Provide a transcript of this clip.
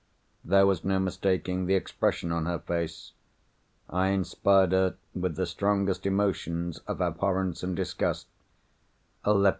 There was no mistaking the expression on her face. I inspired her with the strongest emotions of abhorrence and disgust.